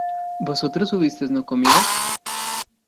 ¿vosotros hubisteis no comido?